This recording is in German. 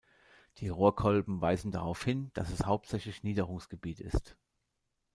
Die Rohrkolben weisen darauf hin, dass es hauptsächlich Niederungsgebiet ist.